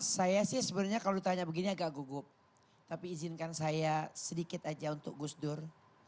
saya sih sebenarnya kalau ditanya begini agak gugup tapi izinkan saya sedikit aja untuk gus dur